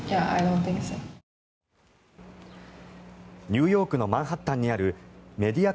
ニューヨークのマンハッタンにあるメディア